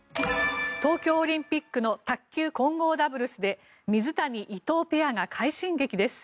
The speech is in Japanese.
東京オリンピックの卓球混合ダブルスで水谷・伊藤ペアが快進撃です。